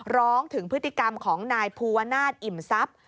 ร้องถึงพฤติกรรมของนายภูวนาศอิ่มทรัพย์